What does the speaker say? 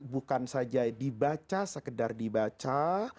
bukan saja dibaca sekedar dibaca